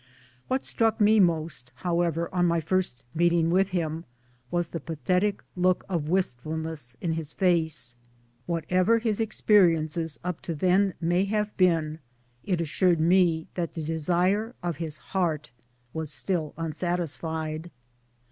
What struck me most, however, on my first meeting with him, was the pathetic look of wistfulness in his face. Whatever his experiences up to then may have been, it assured me that the desire of his heart was still unsatisfied.